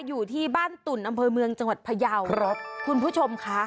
อยู่ที่บ้านตุ่นอำเภอเมืองจังหวัดพยาวครับคุณผู้ชมค่ะ